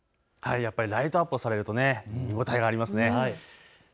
やっぱりライトアップをされると見応えがありますね。